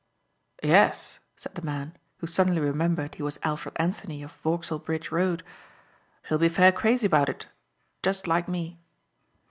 "Yes," said the man who suddenly remembered he was Alfred Anthony of Vauxhall Bridge Road, "she'll be fair crazy about it. Just like me."